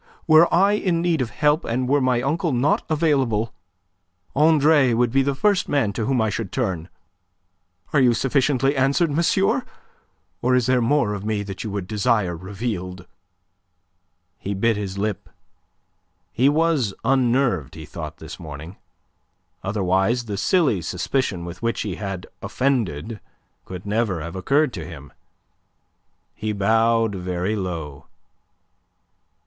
Were I in need of help, and were my uncle not available, Andre would be the first man to whom I should turn. Are you sufficiently answered, monsieur? Or is there more of me you would desire revealed?" He bit his lip. He was unnerved, he thought, this morning; otherwise the silly suspicion with which he had offended could never have occurred to him. He bowed very low.